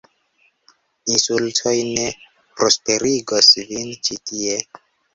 Insultoj ne prosperigos vin ĉi tie!